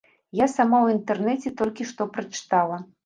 Я сама ў інтэрнэце толькі што прачытала.